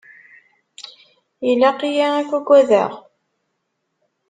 Ilaq-iyi ad k-agadeɣ?